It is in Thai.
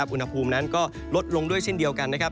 อุณหภูมินั้นก็ลดลงด้วยเช่นเดียวกันนะครับ